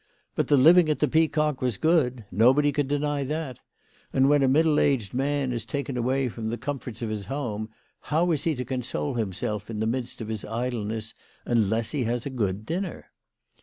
But the living at the Peacock was good* Nobody could deny that. And when a middle aged man is taken away from the comforts of his home, how is he to console himself in the midst of his idleness unless he has a good dinner